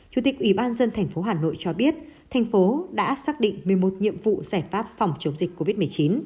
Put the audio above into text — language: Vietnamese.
chủ tịch ủy ban dân thành phố hà nội cho biết thành phố đã xác định một mươi một nhiệm vụ giải pháp phòng chống dịch covid một mươi chín